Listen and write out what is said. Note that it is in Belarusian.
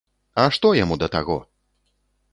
А што яму да таго!